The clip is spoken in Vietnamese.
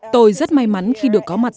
tôi rất may mắn khi được có mặt